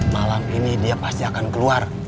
malam ini dia pasti akan keluar